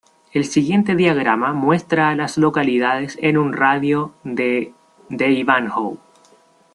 El siguiente diagrama muestra a las localidades en un radio de de Ivanhoe.